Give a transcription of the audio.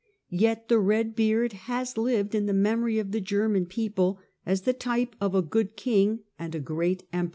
^ Yet the " Eedbeard " has lived in the memory of the German people as the type of a good king and a great Emperor.